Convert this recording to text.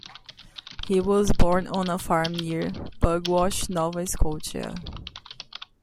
He was born on a farm near Pugwash, Nova Scotia.